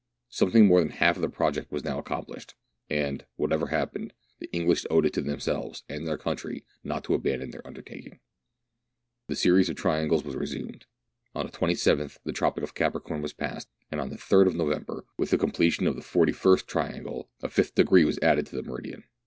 Something more than half of the project was now accom plished, and, whatever happened, the English owed itto them selves and their country not to abandon their undertaking. The series of triangles was resumed. On the 37th the tropic 156 meridiana; the adventures of of Capricorn was passed, and on the 3rd of November, with the completion of the forty first triangle, a fifth degree was added to the meridian.